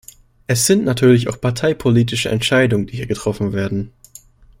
Es sind natürlich auch parteipolitische Entscheidungen, die hier getroffen werden.